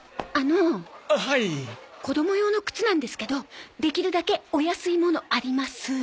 子供用の靴なんですけどできるだけお安いものあります？